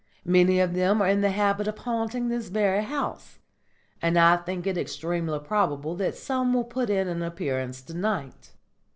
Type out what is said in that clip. Many of them are in the habit of haunting this very house, and I think it extremely probable that some will put in an appearance to night.